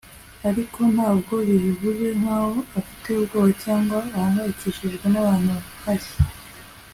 ariko ntabwo yabivuze nkaho afite ubwoba cyangwa ahangayikishijwe n'ahantu hashya